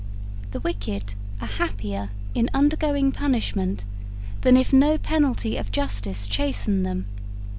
'The wicked are happier in undergoing punishment than if no penalty of justice chasten them.